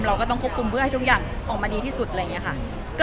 เราก็ต้องควบคุมเพื่อให้ทุกอย่างออกมาดีที่สุดอะไรอย่างนี้ค่ะ